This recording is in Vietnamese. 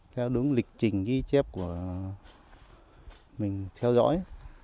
theo đúng lịch trình ghi chép của mình theo dõi